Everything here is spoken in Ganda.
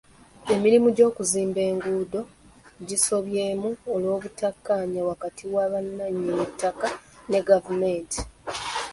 Emirimu gy'okuzimba enguudo gisoobyemu olw'obutakkaanya wakati wa bannannyini ttaka ne gavumenti.